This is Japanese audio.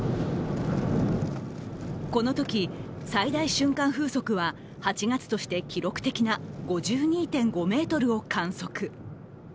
このとき、最大瞬間風速は８月として記録的な５２．５メートルを観測。